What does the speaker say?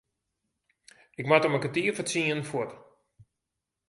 Ik moat om kertier foar tsienen fuort.